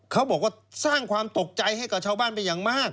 เขาบอกว่าสร้างความตกใจให้กับชาวบ้านเป็นอย่างมาก